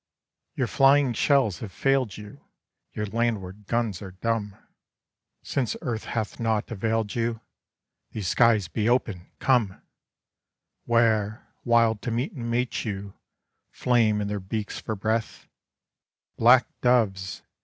Your flying shells have failed you, your landward guns are dumb: Since earth hath naught availed you, these skies be open! Come, Where, wild to meet and mate you, flame in their beaks for breath, Black doves!